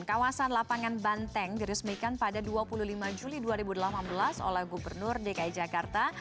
kawasan lapangan banteng diresmikan pada dua puluh lima juli dua ribu delapan belas oleh gubernur dki jakarta